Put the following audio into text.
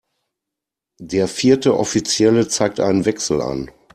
Der vierte Offizielle zeigt einen Wechsel an.